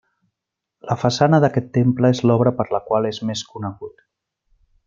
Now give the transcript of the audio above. La façana d'aquest temple és l'obra per la qual és més conegut.